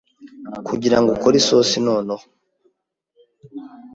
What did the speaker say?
kugira ngo ukore isosi noneho,